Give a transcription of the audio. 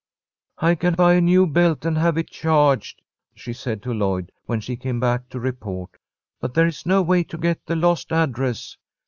"I can buy a new belt and have it charged," she said to Lloyd, when she came back to report, "but there is no way to get the lost address.